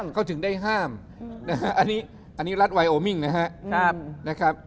เขาถึงได้ห้ามอันนี้รัฐไวโอมิ่งนะครับ